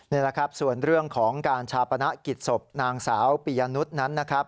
นี่แหละครับส่วนเรื่องของการชาปนกิจศพนางสาวปียะนุษย์นั้นนะครับ